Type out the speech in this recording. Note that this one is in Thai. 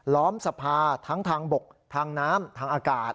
ล้อมสภาทั้งทางบกทางน้ำทางอากาศ